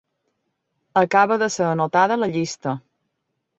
Acaba de ser anotada a la llista.